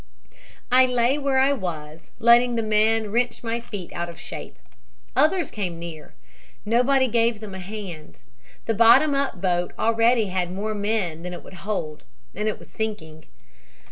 "I lay where I was, letting the man wrench my feet out of shape. Others came near. Nobody gave them a hand. The bottom up boat already had more men than it would hold and it was sinking.